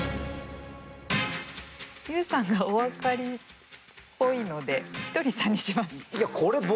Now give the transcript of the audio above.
ＹＯＵさんがお分かりっぽいのでひとりさんにします。